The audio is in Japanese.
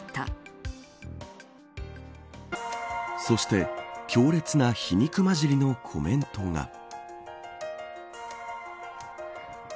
そして強烈な皮肉交じりのコメントが。